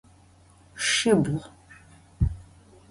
Şsibğu.